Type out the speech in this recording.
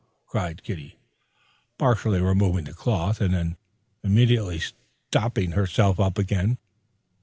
cried Kitty, partially removing the cloth, and then immediately stopping herself up again.